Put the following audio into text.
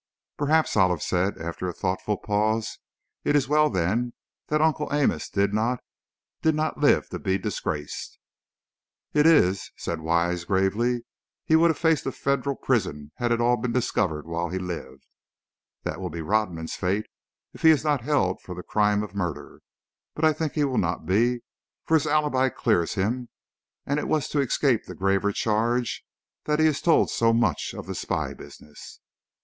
"Perhaps," Olive said, after a thoughtful pause, "it is as well, then, that Uncle Amos did not did not live to be disgraced." "It is," said Wise, gravely; "he would have faced a Federal prison had it all been discovered while he lived. That will be Rodman's fate, if he is not held for the crime of murder. But I think he will not be. For his alibi clears him and it was to escape the graver charge that he has told so much of the spy business."